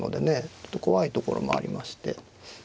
ちょっと怖いところもありまして。